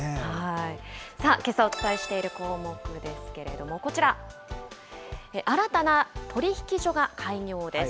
けさお伝えしている項目ですけれども、こちら、新たな取引所が開業です。